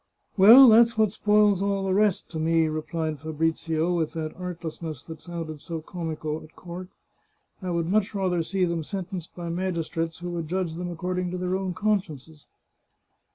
" Well, that's what spoils all the rest, to me," replied Fabrizio, with that artlessness that sounded so comical at court. " I would much rather see them sentenced by magis trates who would judge them according to their own con sciences."